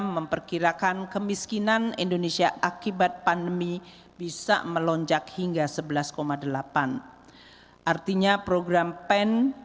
memperkirakan kemiskinan indonesia akibat pandemi bisa melonjak hingga sebelas delapan artinya program pen